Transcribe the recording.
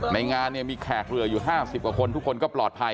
ในงานเนี่ยมีแขกเรืออยู่๕๐กว่าคนทุกคนก็ปลอดภัย